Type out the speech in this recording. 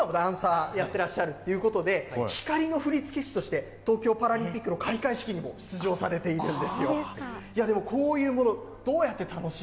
藤本さんね、元ダンサー、今もダンサーやってらっしゃるということで、光の振付師として東京パラリンピックの開会式にも出場されているんですよ。